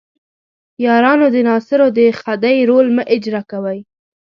یارانو د ناصرو د خدۍ رول مه اجراء کوئ.